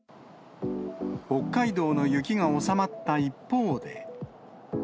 北海道の雪が収まった一方で。